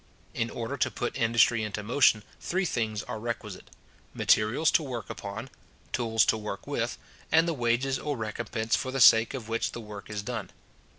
In order to put industry into motion, three things are requisite; materials to work upon, tools to work with, and the wages or recompence for the sake of which the work is done.